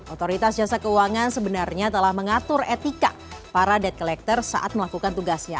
otoritas jasa keuangan sebenarnya telah mengatur etika para debt collector saat melakukan tugasnya